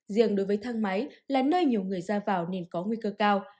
riêng đối với thang máy là nơi nhiều người ra vào nên có nguy cơ cao